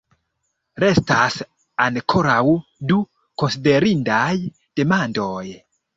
Restas ankoraŭ du konsiderindaj demandoj.